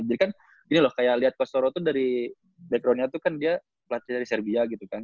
jadi kan gini loh liat coach raiko tuh dari background nya dia bekerja di serbia gitu kan